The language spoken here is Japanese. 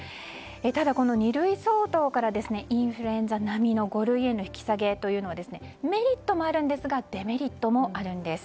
ただ、この二類相当からインフルエンザ並みの五類への引き下げというのはメリットもあるんですがデメリットもあるんです。